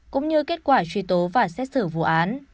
cũng như kết quả truy tố và xét xử vụ án